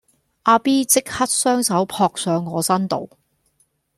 阿 B 即刻雙手撲上我身度